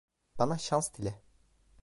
Bana şans dile.